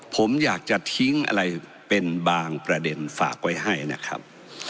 ผมอยากจะทิ้งอะไรเป็นบางประเด็นฝากไว้ให้นะครับ